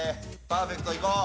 パーフェクトいこう。